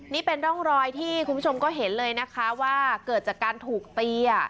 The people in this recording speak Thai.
นี่เป็นร่องรอยที่คุณผู้ชมก็เห็นเลยนะคะว่าเกิดจากการถูกตี